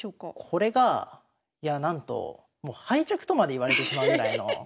これがいやあなんと敗着とまで言われてしまうぐらいの。